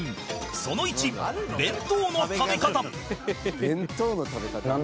その１弁当の食べ方